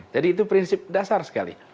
jadi itu prinsip dasar sekali